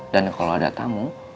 dan kalau ada tamu